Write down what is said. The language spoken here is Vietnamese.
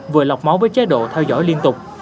vừa lọc máu với chế độ theo dõi liên tục